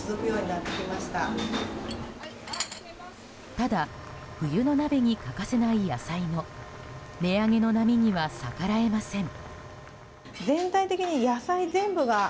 ただ、冬の鍋に欠かせない野菜も値上げの波には逆らえません。